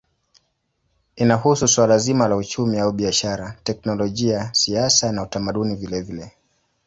Inahusu suala zima la uchumi au biashara, teknolojia, siasa na utamaduni vilevile.